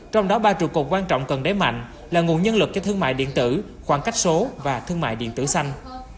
trong đó ba trụ cột quan trọng cần đáy mạnh là nguồn nhân lực cho thương mại điện tử khoảng cách số và thương mại điện tử xanh